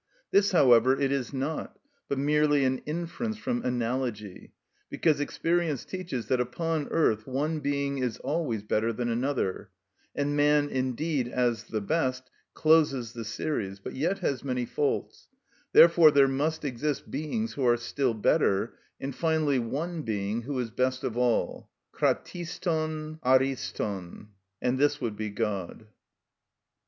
This, however, it is not, but merely an inference from analogy; because experience teaches that upon earth one being is always better than another, and man, indeed, as the best, closes the series, but yet has many faults; therefore there must exist beings who are still better, and finally one being who is best of all (κρατιστον, αριστον), and this would be God.